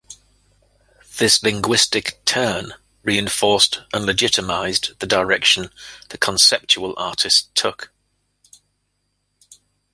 This linguistic turn "reinforced and legitimized" the direction the conceptual artists took.